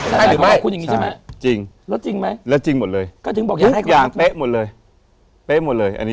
เอาให้คุณอย่างนี้ใช่ไหม